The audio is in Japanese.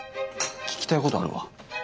聞きたいことあるわ。